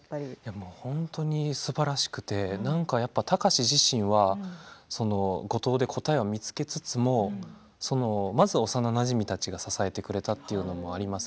本当にすばらしくてなんかやっぱり、貴司自身が五島で答えを見つけつつもまずは幼なじみたちが支えてくれたということもあります